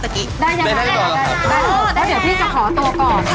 เดี๋ยวพี่จะขออธิตย์ก่อน